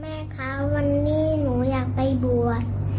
แม่คะวันนี้หนูอยากไปบวช